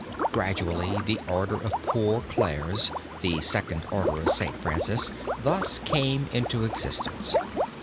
Gradually the order of Poor Clares, the second order of St. Francis, thus came into existence.